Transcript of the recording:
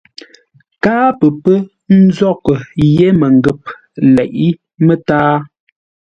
Káa pə pə́ nzóghʼə́ yé mənghə̂p leʼé mətǎa.